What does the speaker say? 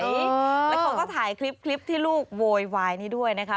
แล้วเขาก็ถ่ายคลิปที่ลูกโวยวายนี้ด้วยนะคะ